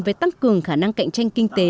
với tăng cường khả năng cạnh tranh kinh tế